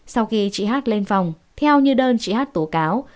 sau khi chị hát lên phòng theo như đơn chị hát tố cáo